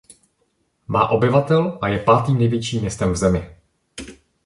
Má obyvatel a je pátým největším městem v zemi.